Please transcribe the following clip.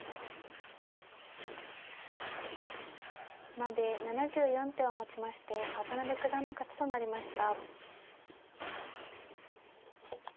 まで７４手をもちまして渡辺九段の勝ちとなりました。